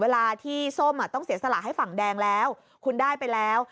เวลาที่ส้มต้องเสียสละให้ฝั่งแดงแล้วคุณได้ไปแล้ว